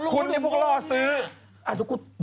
คุณไอ้พวกล่อซื้อ